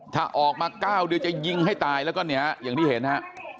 ถ้าออกมา๙เดือนจะยิงให้ตายแล้วก็เนี่ยอย่างที่เห็นฮะ